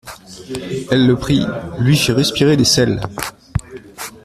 Elle le prit, lui fit respirer des sels.